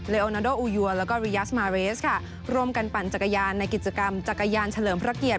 โอนาโดอูยัวแล้วก็ริยาสมาเรสค่ะร่วมกันปั่นจักรยานในกิจกรรมจักรยานเฉลิมพระเกียรติ